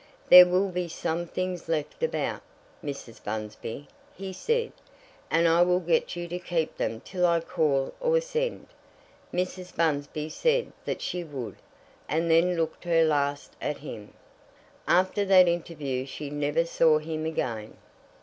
"There will be some things left about, Mrs. Bunsby," he said, "and I will get you to keep them till I call or send." Mrs. Bunsby said that she would, and then looked her last at him. After that interview she never saw him again.